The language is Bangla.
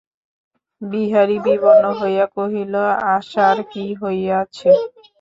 বিহারী বিবর্ণ হইয়া কহিল, আশার কী হইয়াছে।